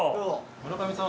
村上さん。